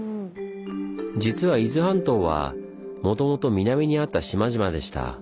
実は伊豆半島はもともと南にあった島々でした。